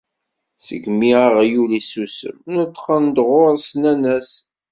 Segmi aɣyul issusem, neṭqen-d ɣur-s nnan-as.